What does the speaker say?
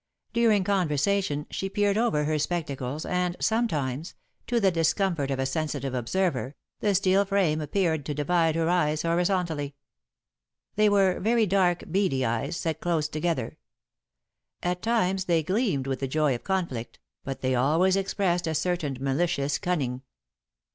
During conversation, she peered over her spectacles, and sometimes, to the discomfort of a sensitive observer, the steel frame appeared to divide her eyes horizontally. [Sidenote: All Wrong] They were very dark, beady eyes, set close together. At times they gleamed with the joy of conflict, but they always expressed a certain malicious cunning.